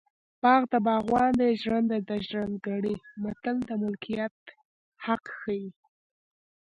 باغ د باغوان دی ژرنده د ژرندګړي متل د ملکیت حق ښيي